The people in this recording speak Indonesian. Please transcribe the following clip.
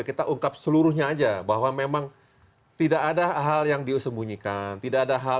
kita ungkap seluruhnya aja